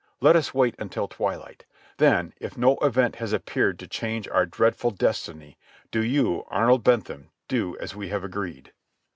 Let us wait until twilight. Then, if no event has appeared to change our dreadful destiny, do you Arnold Bentham, do as we have agreed."